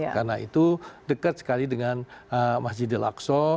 karena itu dekat sekali dengan masjid al aqsa